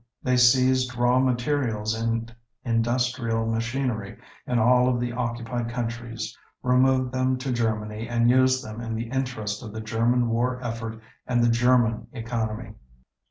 They seized raw materials and industrial machinery in all of the occupied countries, removed them to Germany and used them in the interest of the German war effort and the German economy.